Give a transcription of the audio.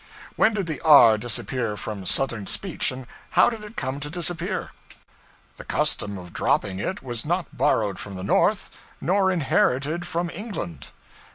When did the r disappear from Southern speech, and how did it come to disappear? The custom of dropping it was not borrowed from the North, nor inherited from England.